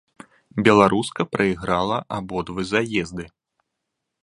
Беларуска прайграла абодва заезды.